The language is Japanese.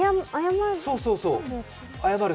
謝る？